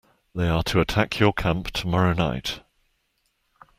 They are to attack your camp tomorrow night.